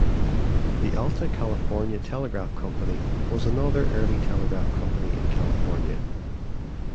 The Alta California Telegraph Company was another early telegraph company in California.